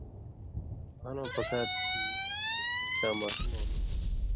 مھالٶں پکار تھی چےۡ سېں تاں ماسمؤں ملیۡ